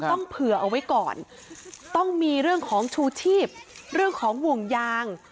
ต้องเผื่อเอาไว้ก่อนต้องมีเรื่องของชูชีพเรื่องของห่วงยาง